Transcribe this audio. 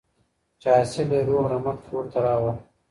چې حاصل یې روغ رمټ کور ته راوړ.